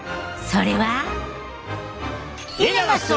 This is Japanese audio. それは。